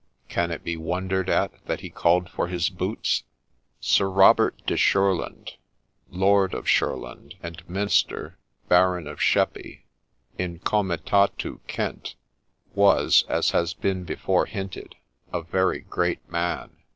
Can it be wondered at that h'e called for his boots ? Sir Robert de Shurland, Lord of Shurland and Minster, Baron of Sheppey in comitatu Kent, was, as has been before hinted, a very great man.